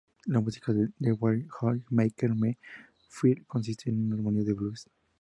La música de "The Way You Make Me Feel" consistía en armonías de blues.